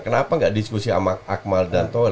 kenapa nggak diskusi sama akmal dan ton